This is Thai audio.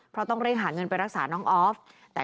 เพราะต้องเร่งหาเงินไปรักษาน้องออฟ